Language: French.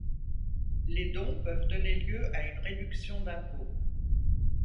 Les dons peuvent donner lieu à une réduction d’impôt.